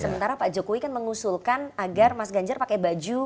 sementara pak jokowi kan mengusulkan agar mas ganjar pakai baju